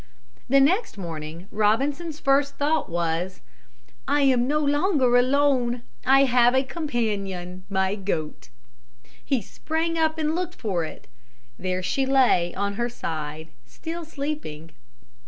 The next morning Robinson's first thought was, "I am no longer alone. I have a companion, my goat." He sprang up and looked for it. There she lay on her side, still sleeping.